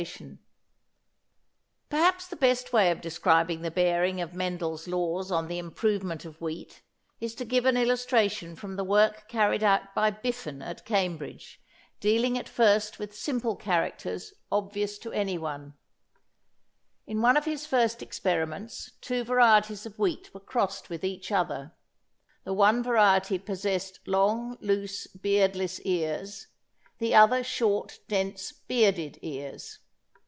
[Illustration: Fig. 3. A wheat flower with the chaff opened to show the stamens and the stigmas] Perhaps the best way of describing the bearing of Mendel's Laws on the improvement of wheat is to give an illustration from the work carried out by Biffen at Cambridge, dealing at first with simple characters obvious to anyone. In one of his first experiments two varieties of wheat were crossed with each other. The one variety possessed long loose beardless ears, the other short dense bearded ears.